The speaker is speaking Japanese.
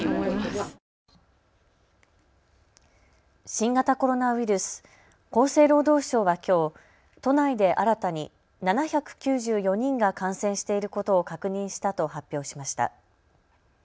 新型コロナウイルス、厚生労働省はきょう都内で新たに７９４人が感染していることを確認したと発表しました。